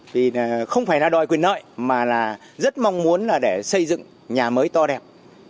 vì không phải là đòi quyền lợi mà là rất mong muốn là để xây dựng nhà mới to đẹp